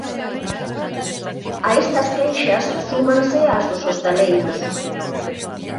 A estas queixas súmanse as dos hostaleiros.